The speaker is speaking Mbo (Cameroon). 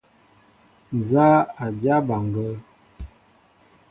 Nzá a dyâ mbaŋgēē?